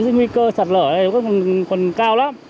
nguy cơ sạt lở ở đây còn cao lắm